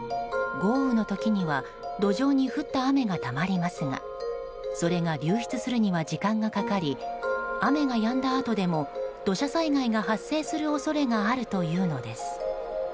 豪雨の時には路上に降った雨がたまりますがそれが流出するには時間がかかり雨がやんだあとでも土砂災害が発生する恐れがあるというのです。